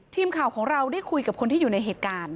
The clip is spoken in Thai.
ทีมข่าวของเราได้คุยกับคนที่อยู่ในเหตุการณ์